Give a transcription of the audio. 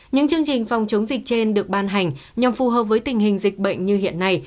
một mươi hai những chương trình phòng chống dịch trên được ban hành nhằm phù hợp với tình hình dịch bệnh như hiện nay